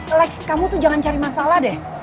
alex kamu tuh jangan cari masalah deh